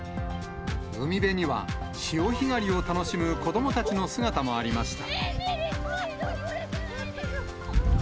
海辺には、潮干狩りを楽しむ子どもたちの姿もありました。